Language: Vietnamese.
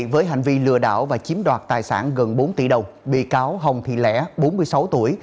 với hành vi lừa đảo và chiếm đoạt tài sản gần bốn tỷ đồng bị cáo hồng thị lẽ bốn mươi sáu tuổi